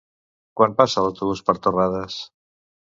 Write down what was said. Quan passa l'autobús per Terrades?